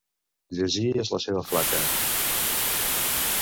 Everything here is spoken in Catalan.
Llegir és la seva flaca.